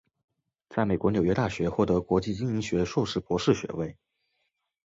在美国纽约大学获得国际经营学硕士博士学位。